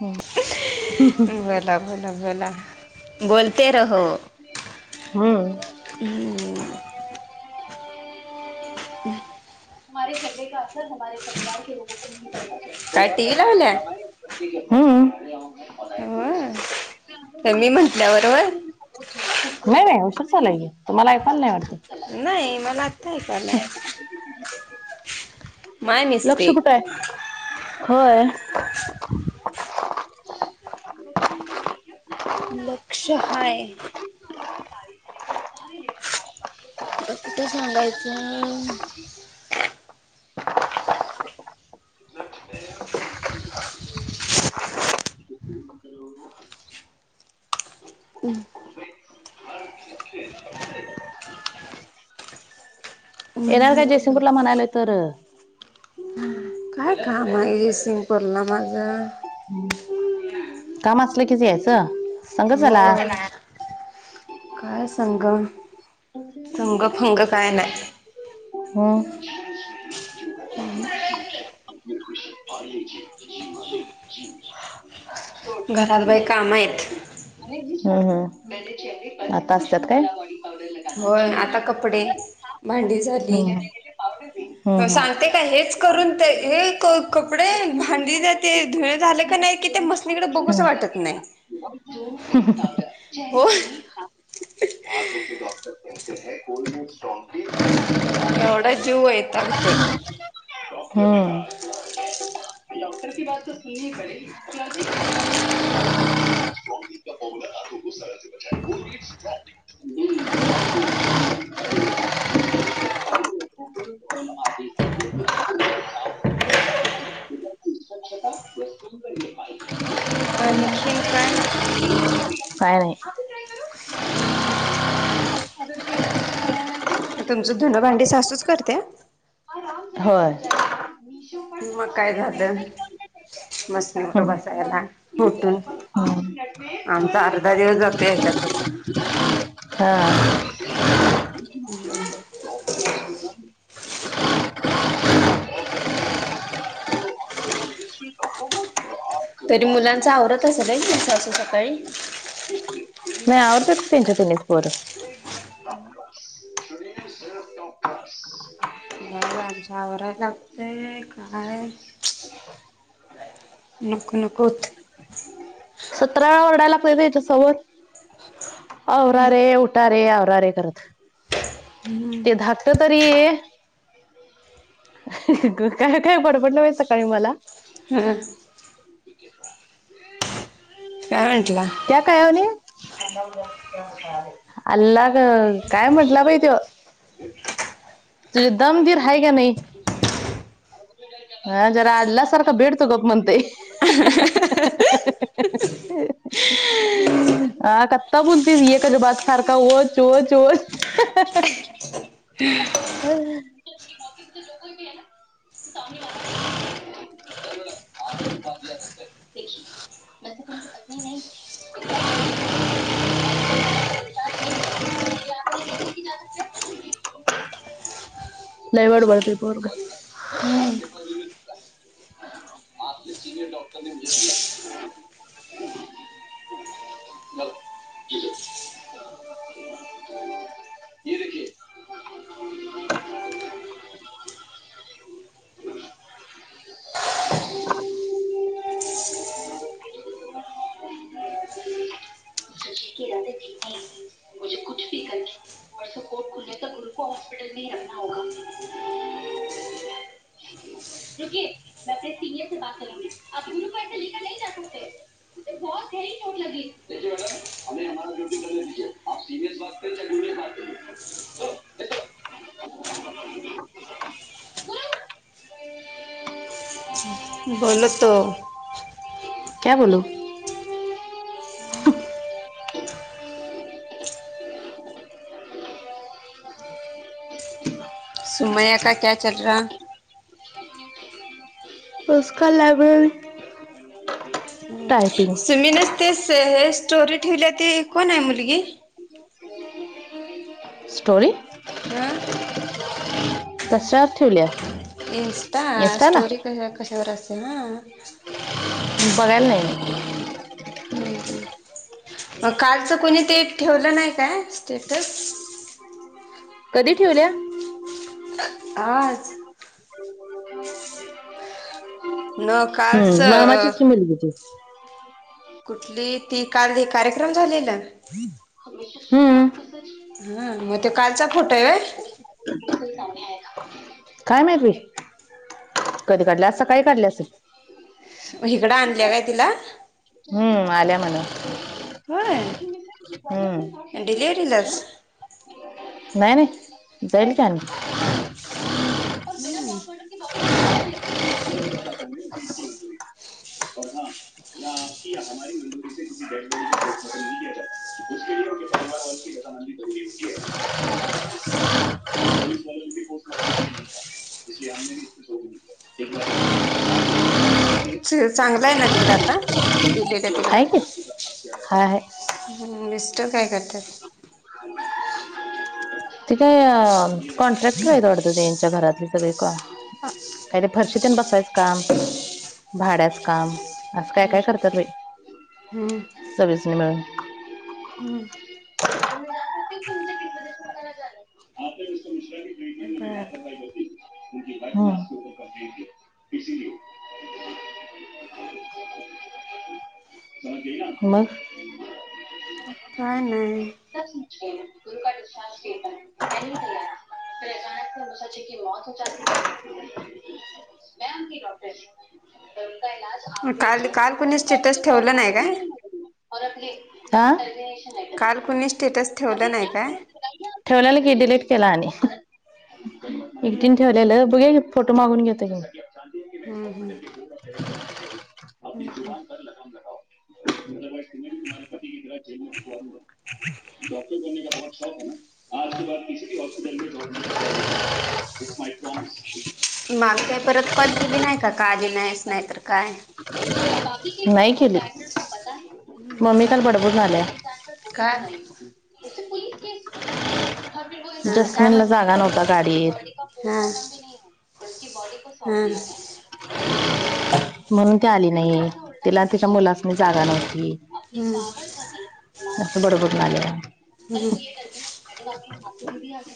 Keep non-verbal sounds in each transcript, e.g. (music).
होवं बोलां बोलां बोलां बोलंते रहो. हम्मं. हंम हमारे छगडे कां असरं हमारे परिवार के लोगो को भोगनां काय टी व्ही पडेगा लावल्या हम्मं. हां मी म्हटल्यां बरोबर नाहीं नाहीं उशीरं झालां की मलां ऐकायंला नाहीं वाटतं. नाहीं मलां आत्तां अयकू नाही आलं. माय लंक्ष मिस्टेक कुठं हायं होयं. (unintelligible) (unintelligible) लक्ष हाय. आता कुठं सांगायचं. हं. च (unintelligible) येणार काय बोला जयसिंगपूरला म्हणायलोय तर हम्. काय काम हाय जयशिगपूरला माझ. काम असलं कीच यायचं. संग हो चला ना (unintelligible) काय संग संग फंग काय न्हाय. हम. हो. ब खुश पालीिज (unintelligible) ह. घरात बाई काम हायत. हम्म हम् आता असत्यात काय. होय आता कपडे भांडी झाली हम्म सांगते का हेच करून ते हे क कपडे भांड जाते धुळ झाले का नाही कि ते हम्म मस्त तिकडड बघूस वाटत नाही. (unintelligible) हो. हथो के डॉक्टर कहते है कोल् स्टॉनट (unintelligible) एवढा जीव वैतागतोय. हम्म (unintelligible) आणखीन काय काय नाही हम्. तुमचं धुनं भांडी सासूच करत्या. होय. मग काय झालं मसनीवर बसायला मोटून, आमचा अर्धा दिवस जातो हच्यातच. ह (unintelligible) हा हम् (inaudible) (inaudible) तरी मुलांचा आवरत असेल नाही सासू सकाळी नाही आवरत्यात की त्यांची तेनीच पोर (unintelligible) नाही बाई आमच्या आवरायला लागतय काय नको नको सतरा वेळा वरडायला लागतय त्यांच्यासमोर आवरा रे उ उठा रे आवरा रे करत ते धाकटा तरी काय काय बडबडलं बाई सकाळी मला हम्म (unintelligible) काय म्हंटला क्या कहा उने (inaudible) अल्लाह काय म्हटला बाई तुझे दम धीर हे क्या नाही हं.. जरा आल्ला सारख बेठतो गप म्हणतंय. (unintelligible) हा कत्ता बोलतीस एकच बात सारखा, वोच वोच वोच. (unintelligible) (unintelligible) (inaudible) लई बडबडतय पोरगं. हम्म आपके सिनियर डॉक्टर ने मुझे बुलाया है. (unintelligible) (unintelligible) (unintelligible) (unintelligible) मुझे कुछ भी करले परसो कोर्ट खुलने तक, हॉस्पिटल मे रखना होगा. (unintelligible) रुकीये में आपने सिनयर से बात करलुंगी आप तुनू को जसे लेकरं नहीं जा सकते. उसे बहोत गेहरी चोट लगी है देखीए मॅडम हमें हमारी ड्युटी करने दिजीए आप (unintelligible) (unintelligible) बोलो तो, क्या बोलू (unintelligible) सुमैय्या का क्या चल रहा. उस्का लॅबरेरी सुमीन ते हे, स्टोरी ठेवल्या ती कोण आहे मुलगी? (unintelligible) स्टोरी. हां. कसात ठेवल्या, इंस्टा‌ इन्स्टाला स्टोरी कशावर असत्या हां. बघायला नाही मी. हम हम, मग कालच कोणी ते, ठेवलं नाही काय स्टेटस. कधी ठेवल्या. आज. न हम. कालच अ, मामाचीच की मुलगी ती, कुठली ती काल हे कार्यक्रम झालेलं. हम. हं, मग तो कालचा फोटो हायं होय. काय माहीत बाई कदी काढल्या, आज सकाळी काढली असलं. हिकडं आणल्या. काय तिला, हम्म, आल्या म्हण. होय हम्म डिलिव्हरीलाच नाही नाही जाईल की आणि, हम्म. (unintelligible) (unintelligible) (unintelligible) चांगलं आहे ना तिकडं आता, दिलेलं आहे तिकडं. हाय हाय मीस्टर काय करत्यात. ते‌ काय, कॉन्ट्रॅक्टर आहे वाटत. त्यांच्या घरातली सगळी काम, काही ते फरशीतन बसवायचं काम. भाड्याच काम असं काय काय करत्यात बाई हम्म सगळीच मिळून. हम्म (unintelligible) बर हो मग काय नाही मग तीला सांगितले हायन प्रत्येक य उसाचे धे मत वीचरल की नाही मॅम की डॉक्टर झमतयन आज काल काल कुणी स्टटच ठेवलं नाही काय आपश काल कुणी स्टेटस ठेवलं नाही काय ठेवलेलं की डिलीट केला आणि हम्म एकटन ठेवलेलं बघ फोटो मागून घेतता घेऊन हम्म हम्म ह हम् हम् काही तरी पडल्याचा आवाज चीक ची च चक अचा आहे आज क हॉस्पिटल माग काही परत कॉल केली नाही का आलि नाहीच नाही तर काय नाही केली मम्मीी काल बडबड झाले आहे. का. जस्मिन ला जागा नव्हता गाडी. हम हम्म. म्हणून त आली नाही त्यािला त्याच्या मुलास म जागा नव्हती हम्म आस बड बडु हम्म लागलीय आणिात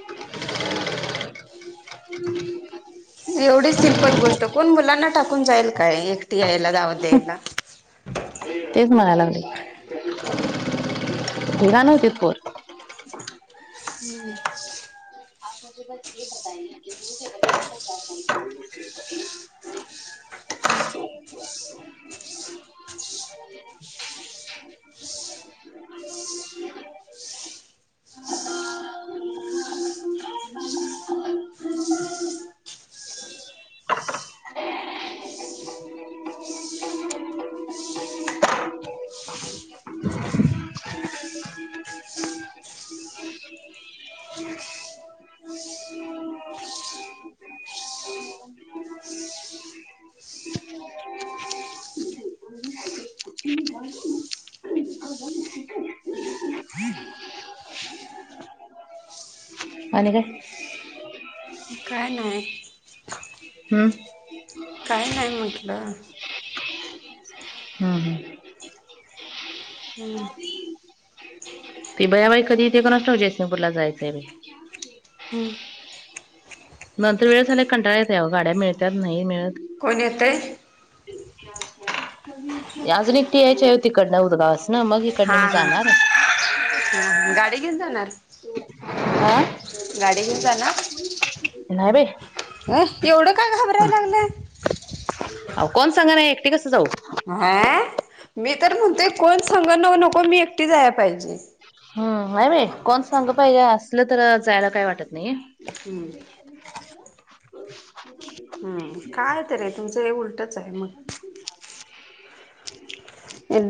मशीन चा आवाज एवढी सिम्पल गोष्ट कोण मुलांना टाकून जाईल काय एकटी यायला दावत्यायला तेच म्हणायला लागलेलाा नव्हतीच पोर हम्म (unintelligible) आप मुे बस ये बताय की तु (unintelligible) अ का. (unintelligible) काय नाही. हां. काही नाही म्हटलं. हम्म हम्म तेी बयाबाई कधी इथे कोण न जयसिंगूरला जायचंय. हम्म नंतर वेळ झाल्याला कंटाळत या गाड्या मिळतात नाही मिळत. कोण येत. अच्छा अच्छा (unintelligible) अजून एकटी यायच्या आहे, हो तिकडनं उदगावस ना मग इकडन हा मी हा जाणार. हा गाडी घेऊन जाणार आं. गाडी घेऊ जा ना. नाही ब. हो एवढं काय घाबराय लागलं. हो कोण सांग ना एकटे कसं जाऊ. हा मी तर म्हणते कोण संगण न नको, मी एकटी जायला पाहिजे. हम नाही बाई कोण सांग पाहिजे असलं तर जायला काही वाटत नाही. हम. हम्म काय तर आहे तुमचं हे उलटच आहे मग.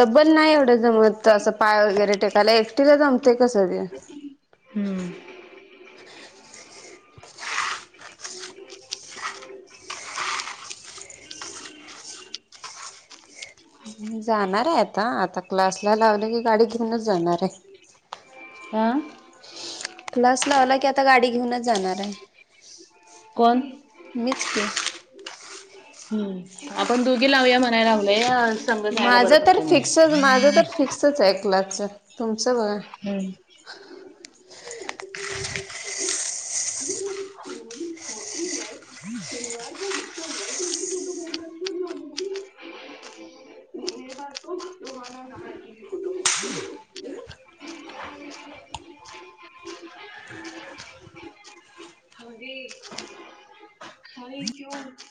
डबल नाही एवढं जमत असं पाय वगैरे टेकायला एकटीला जमतेय कसं. हम्म. ह. जाणार आहे आता आता क्लासला लावले की गाडी घेऊनच जाणार आहे. हा. क्लास अस लावला की आता गाडी घेऊनच जाणार आहे. कोण. मिच की. हम् आपण दोघी लावूया म्हणाय लावल या. माझं तर फिक्सच माझं तर फिक्सच हाय क्लासचं तुमचं बघा. हम्म.